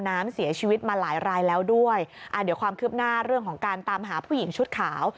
เดี๋ยวความคืบหน้าเรื่องของการตามหาผู้หญิงชุดขาว